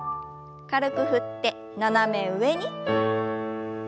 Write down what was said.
軽く振って斜め上に。